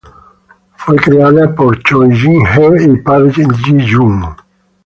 Fue creada por Choi Jin-hee y Park Ji-young.